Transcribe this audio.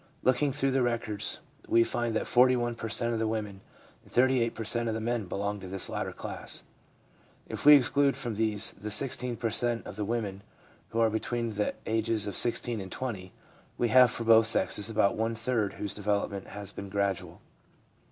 Looking through the records we find that 41 per cent, of the women and 38 per cent, of the men belong to this latter class. If we exclude from these the 16 per cent, of the women who are between the ages of 16 and 20, we have for both sexes about one third whose development has been gradual.